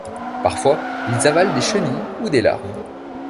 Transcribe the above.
Parfois, ils avalent des chenilles ou des larves.